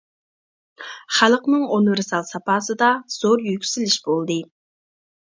خەلقنىڭ ئۇنىۋېرسال ساپاسىدا زور يۈكسىلىش بولدى.